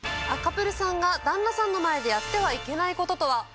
赤プルさんが旦那さんの前でやってはいけない事とは？